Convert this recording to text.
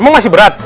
emang masih berat